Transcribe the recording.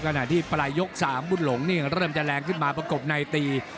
ขณะที่ปลายยก๓บุญหลงนี่เริ่มจะแรงขึ้นมาประกบในตี